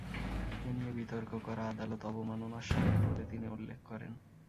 এ নিয়ে বিতর্ক করা আদালত অবমাননার শামিল বলে তিনি উল্লেখ করেন।